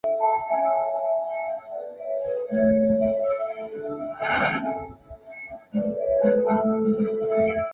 迥澜风雨桥的历史年代为明。